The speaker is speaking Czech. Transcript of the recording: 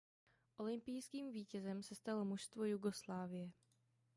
Olympijským vítězem se stalo mužstvo Jugoslávie.